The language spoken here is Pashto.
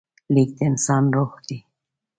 لیک د انسان روح دی.